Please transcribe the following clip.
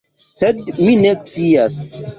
Sed mi ne scias.